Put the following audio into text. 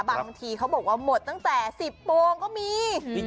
บางทีเขาบอกว่าหมดตั้งแต่๑๐โมงก็มี